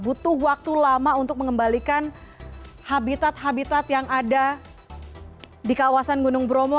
butuh waktu lama untuk mengembalikan habitat habitat yang ada di kawasan gunung bromo